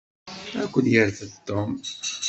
Ad ken-yerfed Tom.